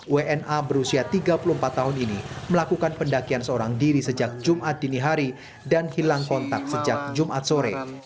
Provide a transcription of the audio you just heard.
wna berusia tiga puluh empat tahun ini melakukan pendakian seorang diri sejak jumat dini hari dan hilang kontak sejak jumat sore